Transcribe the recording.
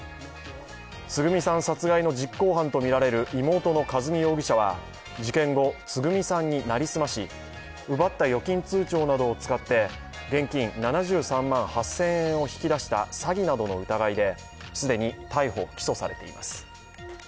つぐみさん殺害の実行犯とみられる妹の和美容疑者は事件後、つぐみさんに成り済まし奪った預金通帳などを使って現金７３万８０００円を引き出した詐欺などの疑いで既に逮捕・起訴されています。